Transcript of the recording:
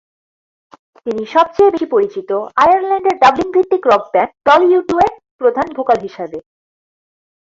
তিনি সবচেয়ে বেশি পরিচিত আয়ারল্যান্ডের ডাবলিন ভিত্তিক রক ব্যান্ড দল ইউটু-এর প্রধান ভোকাল হিসেবে।